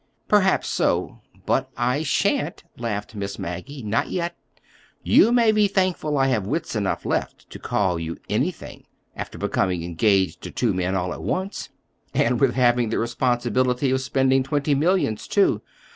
"Perhaps so—but I shan't," laughed Miss Maggie,—"not yet. You may be thankful I have wits enough left to call you anything—after becoming engaged to two men all at once." "And with having the responsibility of spending twenty millions, too."